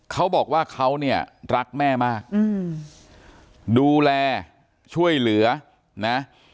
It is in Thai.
เขาบอกว่าเขาเนี่ยรักแม่มากดูแลช่วยเหลือนะ